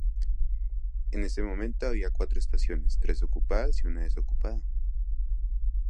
En ese momento había cuatro estaciones, tres ocupadas y una desocupada.